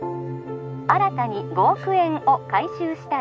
☎新たに５億円を回収したら